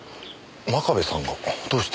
真壁さんがどうして？